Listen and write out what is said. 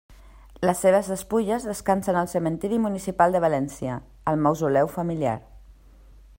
Les seues despulles descansen al Cementeri Municipal de València, al mausoleu familiar.